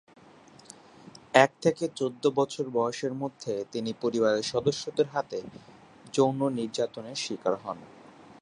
এক থেকে চৌদ্দ বছর বয়সের মধ্যে তিনি পরিবারের সদস্যদের হাতে যৌন নির্যাতনের শিকার হন।